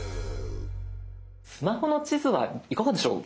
スマホの地図はいかがでしょう？